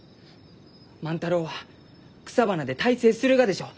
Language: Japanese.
万太郎は草花で大成するがでしょう？